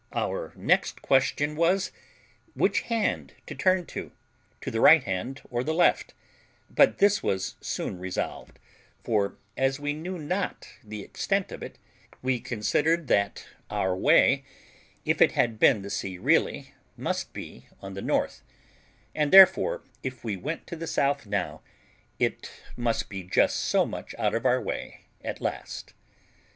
Our next question was, which hand to turn to, to the right hand or the left, but this was soon resolved; for, as we knew not the extent of it, we considered that our way, if it had been the sea really, must be on the north, and therefore, if we went to the south now, it must be just so much out of our way at last.